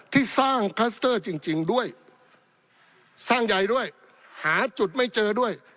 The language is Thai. ที่สร้างคลัสเตอร์จริงด้วยสร้างใหญ่ด้วยหาจุดไม่เจอด้วย